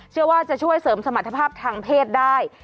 เชื่อว่าจะช่วยเสริมสมรรถภาพทางเพศได้